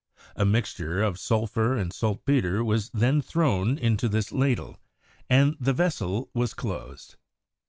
A mixture of sulphur and saltpeter was then thrown into this ladle, and the vessel was closed.